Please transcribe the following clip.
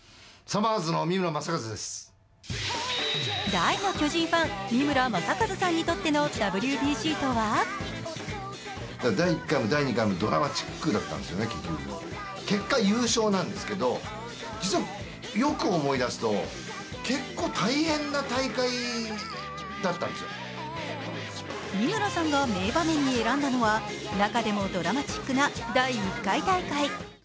大の巨人ファン・三村マサカズさんにとってのＷＢＣとは三村さんが名場面に選んだのは中でもドラマチックな第１回大会。